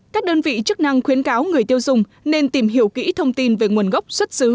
các đơn vị chức năng khuyến cáo người tiêu dùng nên tìm hiểu kỹ thông tin về nguồn gốc xuất xứ